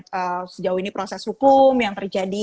sejauh ini proses hukum yang terjadi